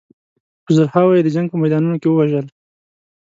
په زرهاوو یې د جنګ په میدانونو کې ووژل.